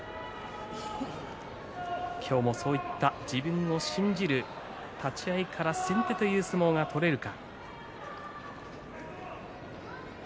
今日もそういった自分の信じる立ち合いから先手という相撲が取れるか。